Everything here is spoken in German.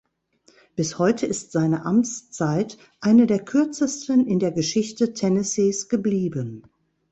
Bis heute ist seine Amtszeit eine der kürzesten in der Geschichte Tennessees geblieben.